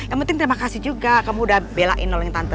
yang penting terima kasih juga kamu udah belain orang yang tante